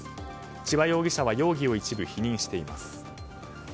千葉容疑者は容疑を一部否認しています。